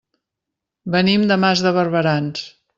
Venim de Mas de Barberans.